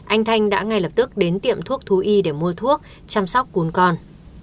anh thanh đã ngay lập tức đến tiệm thuốc thú y để mua thuốc chăm sóc cuốn con